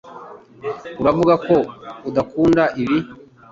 Uravuga ko udakunda ibi